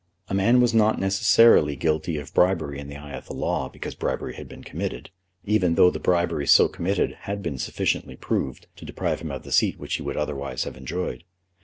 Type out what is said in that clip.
A man was not necessarily guilty of bribery in the eye of the law because bribery had been committed, even though the bribery so committed had been sufficiently proved to deprive him of the seat which he would otherwise have enjoyed.